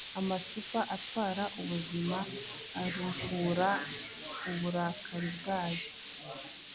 Amacupa atwara ubuzima aruhura uburakari bwayo